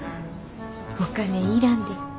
お金要らんで。